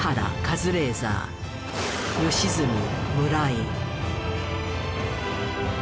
カズレーザー良純村井。